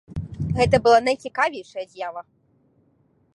Гэта была найцікавейшая з'ява.